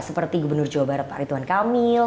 seperti gubernur jawa barat pak rituan kamil